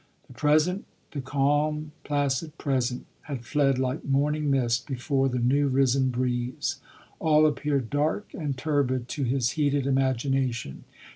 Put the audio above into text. The present, the calm, placid present, had fled like morning mist before the new risen breeze : all appeared dark and turbid to his heated imagination.